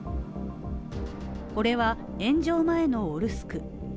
これは、炎上前の「オルスク」。